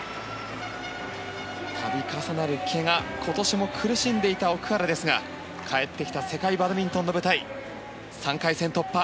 度重なるけが今年も苦しんでいた奥原ですが帰ってきた世界バドミントンの舞台３回戦突破。